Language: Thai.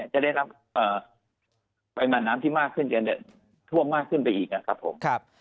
จะได้รับไปหมานน้ำที่มากขึ้นกันทั่วมากขึ้นไปอีก